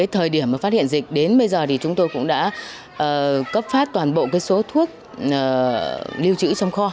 thời điểm mà phát hiện dịch đến bây giờ thì chúng tôi cũng đã cấp phát toàn bộ số thuốc lưu trữ trong kho